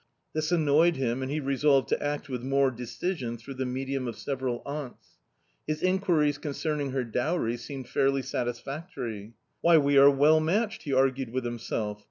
This annoyed him and he resolved to act with more decision through the medium of several aunts. His inquiries concerning her dowry seemed fairly satis factory. " Why, we are well matched !" he argued with himself.